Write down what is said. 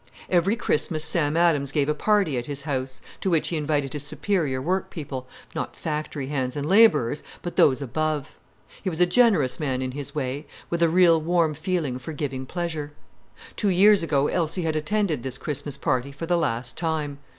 Every Christmas Sam Adams gave a party at his house, to which he invited his superior work people—not factory hands and labourers, but those above. He was a generous man in his way, with a real warm feeling for giving pleasure. Two years ago Elsie had attended this Christmas party for the last time.